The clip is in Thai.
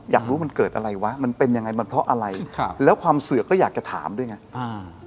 อยากรู้มันเกิดอะไรวะมันเป็นยังไงมันเพราะอะไรครับแล้วความเสือก็อยากจะถามด้วยไงอ่า